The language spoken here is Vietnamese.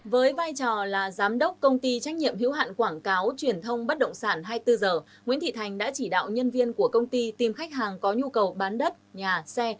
với vai trò là giám đốc công ty trách nhiệm hiếu hạn quảng cáo truyền thông bất động sản hai mươi bốn h nguyễn thị thành đã chỉ đạo nhân viên của công ty tìm khách hàng có nhu cầu bán đất nhà xe